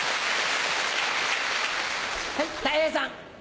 はいたい平さん。